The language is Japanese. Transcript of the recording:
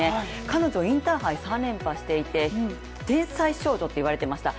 彼女インターハイ３連覇していて天才少女といわれていました。